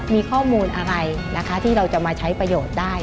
มีข้อมูลอะไรนะคะที่เราจะมาใช้ประโยชน์ได้